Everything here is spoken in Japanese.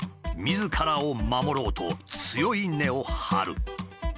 みずからを守ろうと強い根を張る。